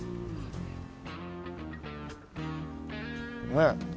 ねえ。